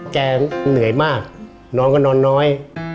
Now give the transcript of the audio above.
เหนื่อยมากน้องก็นอนน้อย